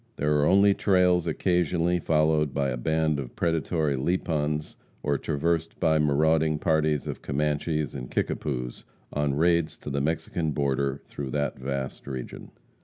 There are only trails occasionally followed by a band of predatory Lipans, or traversed by marauding parties of Comanches and Kickapoos, on raids to the Mexican border through that vast region.